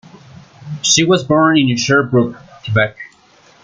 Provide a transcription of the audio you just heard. She was born in Sherbrooke, Quebec.